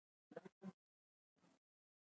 نفت د افغان نجونو د پرمختګ لپاره فرصتونه برابروي.